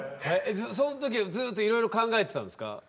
その時はずっといろいろ考えてたんですか？